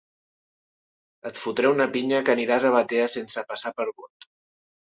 Et fotré una pinya que aniràs a Batea sense passar per Bot.